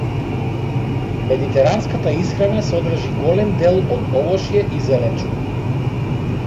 Медитеранската исхрана содржи голем дел од овошје и зеленчук.